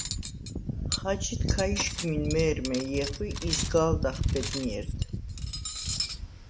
ხაჯიდ ქა იშგმინ მე̄რმე ჲეხვ ი იზგა̄ლდახ ბედნიერდ.